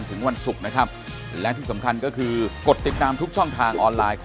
ต่อซ้ายตรงเลยหรอ